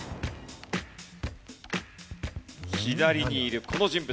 左にいるこの人物。